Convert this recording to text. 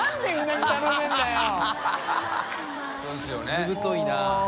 ずぶといな。